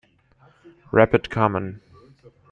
Rapid Commun.